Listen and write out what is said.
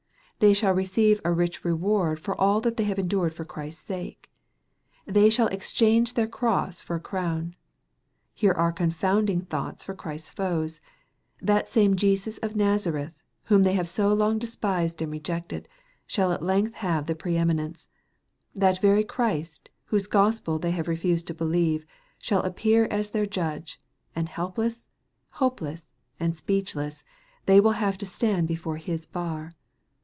They shall receive a rich reward for all that they have endured for Christ's sake. They shall exchange their cross for a crown. Here are' confounding thoughts for Christ's foes. That same Jesus of Nazareth, whom they have so long despised and rejected, shall at length have the pre eminence. That very Christ, whose Gospel they have refused to believe, shall appear as their Judge, and helpless, hopeless, and speechless, they will have to stand before His bar.